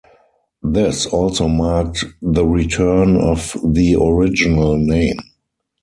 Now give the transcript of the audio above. This also marked the return of the original name.